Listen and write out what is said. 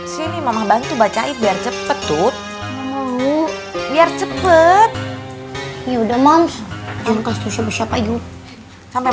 sini mama bantu bacain biar cepet tut mau biar cepet ya udah moms yang khusus siapa yuk sampai